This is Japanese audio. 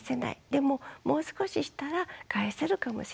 でももう少ししたら返せるかもしれない。